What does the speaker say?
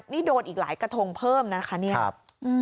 นี่โดนอีกหลายกระทงเพิ่มนะคะเนี่ย